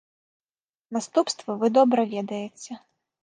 Наступствы вы добра ведаеце.